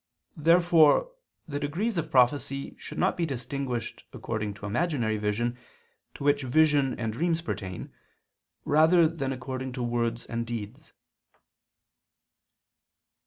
Therefore the degrees of prophecy should not be distinguished according to imaginary vision, to which vision and dreams pertain, rather than according to words and deeds.